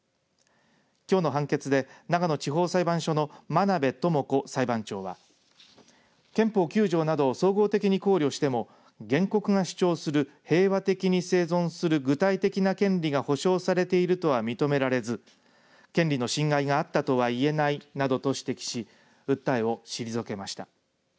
きょうの判決で長野地方裁判所の真辺朋子裁判長は憲法９条などを総合的に考慮しても原告が主張する平和的に生存する具体的な権利が保障されているとは認められず、権利の侵害があったとはいえないなどと指摘し訴えを退けました。